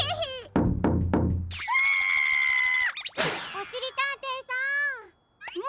・おしりたんていさん！